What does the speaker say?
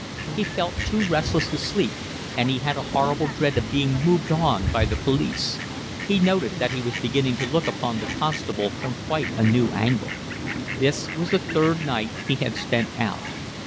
He felt too restless to sleep, and he had a horrible dread of being moved on by the police. He noted that he was beginning to look upon the constable from quite a new angle. This was the third night he had spent out.